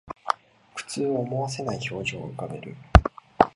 苦痛を思わせない表情を浮かべる